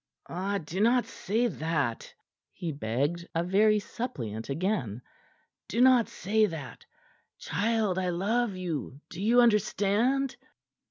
"Ah, do not say that!" he begged, a very suppliant again. "Do not say that! Child, I love you. Do you understand?"